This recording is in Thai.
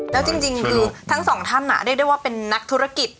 แล้วจริงคือทั้งสองท่านเรียกได้ว่าเป็นนักธุรกิจ